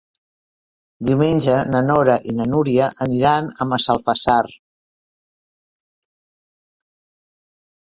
Diumenge na Nora i na Núria aniran a Massalfassar.